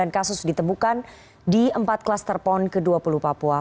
sembilan kasus ditemukan di empat klaster pon ke dua puluh papua